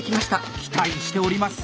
期待しております！